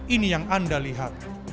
ini yang anda lihat